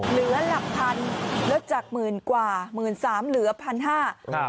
เหลือหลักพันแล้วจากหมื่นกว่าหมื่นสามเหลือพันห้าครับ